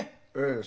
ええ。